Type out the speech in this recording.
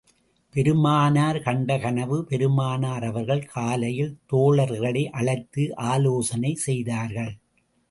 பெருமானார் கண்ட கனவு பெருமானார் அவர்கள் காலையில், தோழர்களை அழைத்து ஆலோசனை செய்தார்கள்.